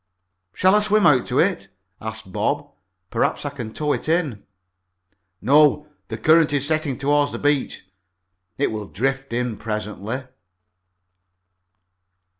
"Shall I swim out to it?" asked Bob. "Perhaps I can tow it in." "No, the current is setting toward the beach. It will drift in presently."